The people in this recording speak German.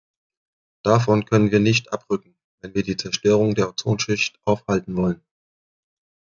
Davon können wir nicht abrücken, wenn wir die Zerstörung der Ozonschicht aufhalten wollen.